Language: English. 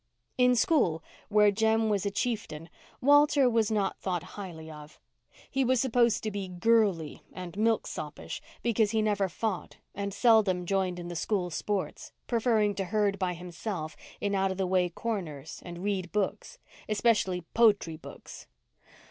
In school, where Jem was a chieftain, Walter was not thought highly of. He was supposed to be "girly" and milk soppish, because he never fought and seldom joined in the school sports, preferring to herd by himself in out of the way corners and read books—especially "po'try books."